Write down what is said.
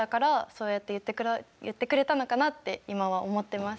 そうやって言ってくれたのかなって今は思ってます。